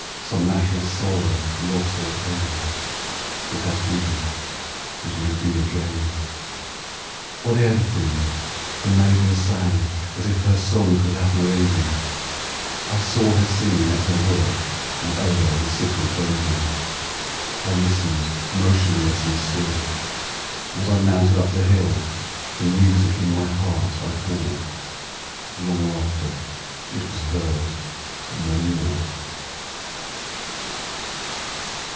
Some natural sorrow, loss, or pain, That has been, and may be again? RAINBOW GOLD Whatever the theme, the Maiden sang As if her song could have no ending; I saw her singing at her work, And o'er the sickle bending; I listened, motionless and still; And, as I mounted up the hill The music in my heart I bore, Long after it was heard no more.